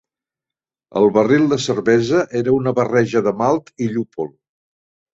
El barril de cervesa era una barreja de malt i llúpol.